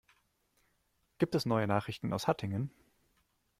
Gibt es neue Nachrichten aus Hattingen?